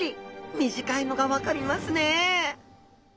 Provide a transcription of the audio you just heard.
短いのが分かりますね？